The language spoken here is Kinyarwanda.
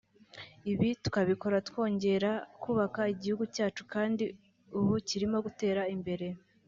ibi tukabikora twongera kubaka igihugu cyacu kandi ubu kirimo gutera imbere